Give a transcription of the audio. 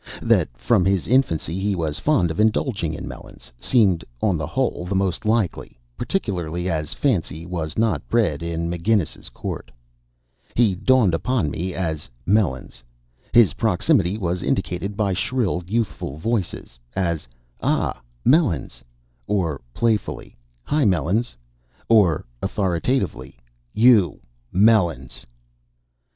That from his infancy, he was fond of indulging in melons, seemed on the whole the most likely, particularly as Fancy was not bred in McGinnis's Court. He dawned upon me as Melons. His proximity was indicated by shrill, youthful voices, as "Ah, Melons!" or playfully, "Hi, Melons!" or authoritatively, "You Melons!"